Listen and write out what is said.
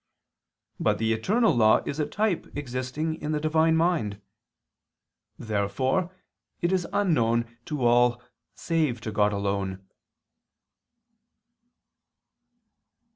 But the eternal law is a type existing in the Divine mind. Therefore it is unknown to all save God alone.